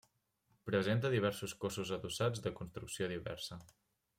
Presenta diversos cossos adossats de construcció diversa.